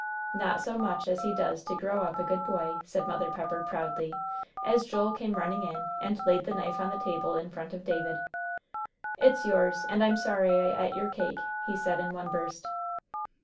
"Not so much as he does to grow up a good boy," said Mother Pepper, proudly, as Joel came running in and laid the knife on the table in front of David. "It's yours, and I'm sorry I et your cake," he said in one burst.